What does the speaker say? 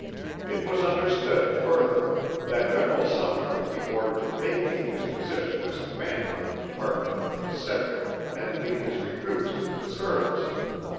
It was understood, further, that General Sumner would be ordered to vacate his position as Commander of the Department of the Pacific and lead his recruits into the service.